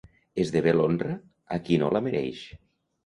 Esdevé l'honra a qui no la mereix.